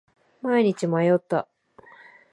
毎日迷った。